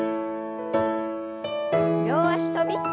両脚跳び。